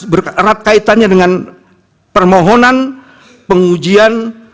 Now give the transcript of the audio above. berat kaitannya dengan permohonan pengujian